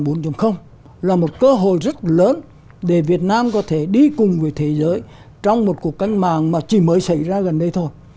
và thứ ba là một cơ hội rất lớn để việt nam có thể đi cùng với thế giới trong một cuộc cách ngoài mà chỉ mới xảy ra gần đây thôi